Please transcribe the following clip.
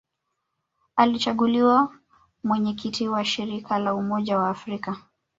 Alichaguliwa Mwenyekiti wa Shirika la Umoja wa Afrika